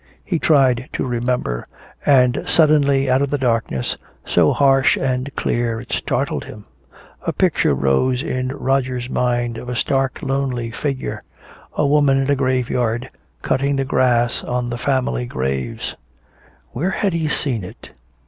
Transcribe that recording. He tried to remember. And suddenly out of the darkness, so harsh and clear it startled him, a picture rose in Roger's mind of a stark lonely figure, a woman in a graveyard cutting the grass on family graves. Where had he seen it?